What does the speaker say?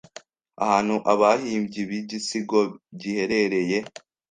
Ahantu abahimbyi bigisigo giherereye